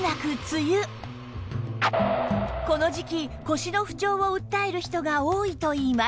この時期腰の不調を訴える人が多いといいます